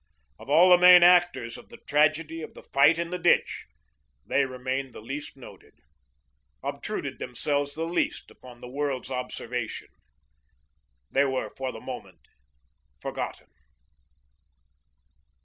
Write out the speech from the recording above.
Of all the main actors of the tragedy of the fight in the ditch, they remained the least noted, obtruded themselves the least upon the world's observation. They were, for the moment, forgotten.